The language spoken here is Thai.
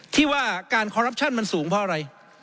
ที่ว่าการคอรัปชั่นมันสูงเพราะอะไร